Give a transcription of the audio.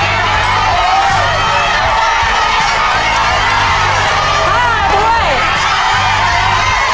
อีก๒ถ้วยครับทุกคน